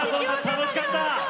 楽しかった。